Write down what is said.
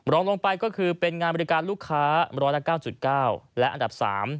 รองลงไปก็คือเป็นงานบริการลูกค้า๑๐๙๙และอันดับ๓